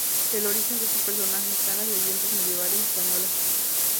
El origen de este personaje está en las leyendas medievales españolas.